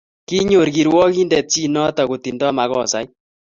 Kinyor kirwakindet chi notok kotindo makosait